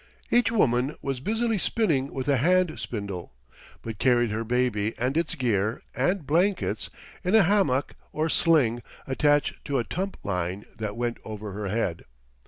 Each woman was busily spinning with a hand spindle, but carried her baby and its gear and blankets in a hammock or sling attached to a tump line that went over her head.